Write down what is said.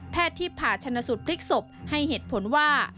แพทย์ที่ผ่าชนะสุดพลิกศพให้เหตุผลว่า